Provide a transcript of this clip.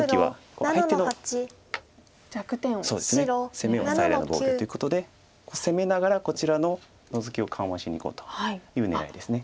攻めは最大の防御ということで攻めながらこちらのノゾキを緩和しにいこうという狙いです。